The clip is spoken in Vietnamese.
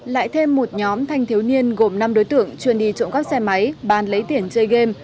lại thêm một nhóm thanh thiếu niên gồm năm đối tượng chuyên đi trộm cắp xe máy bán lấy tiền chơi game